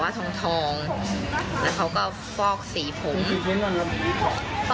วันนั้นจ่ายไปได้๔๐๐๐๐บาท